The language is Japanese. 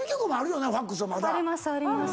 ありますあります。